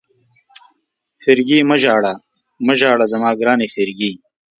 فرګي مه ژاړه، مه ژاړه زما ګرانې فرګي.